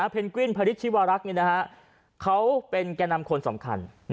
เพนกวินผลิตชิวารักษ์เป็นแก่นำคนสำคัญ